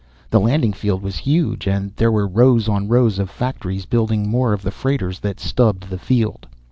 The landing field was huge, and there were rows on rows of factories building more of the freighters that stubbed the field.